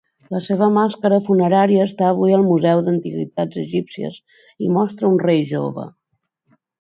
La seva màscara funerària està avui al Museu d'Antiguitats Egípcies i mostre un rei jove.